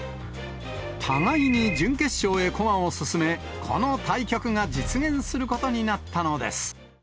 互いに準決勝へ駒を進め、この対局が実現することになったのです。